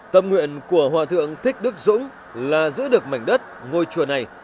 tâm nguyện của hòa thượng thích đức dũng là giữ được mảnh đất ngôi chùa này